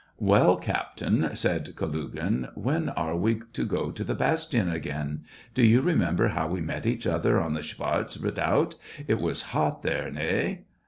Well, Captain," said Kalugin, " when are we to go to the bastion again ? Do you remember how we met each other on the Schvartz redoubt — it was hot there, hey?"